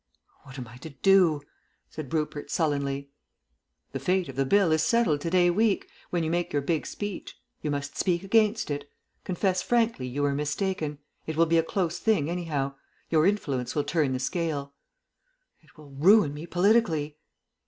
"What am I to do?" said Rupert sullenly. "The fate of the Bill is settled to day week, when you make your big speech. You must speak against it. Confess frankly you were mistaken. It will be a close thing, anyhow. Your influence will turn the scale." "It will ruin me politically."